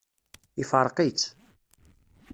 Ifṛeq-itt.